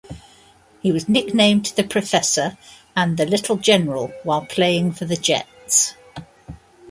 He was nicknamed "The Professor" and "The Little General" while playing for the Jets.